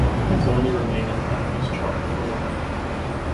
It only remained on the country's chart for one week.